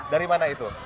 dari mana itu